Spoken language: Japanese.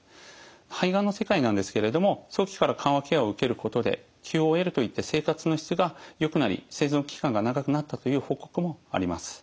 肺がんの世界なんですけれども初期から緩和ケアを受けることでＱＯＬといった生活の質がよくなり生存期間が長くなったという報告もあります。